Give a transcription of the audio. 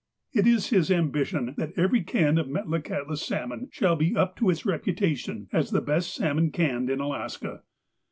It is his ambition that every can of Metlakahtla salmon shall be up to its reputation, as the best salmon canned in Alaska.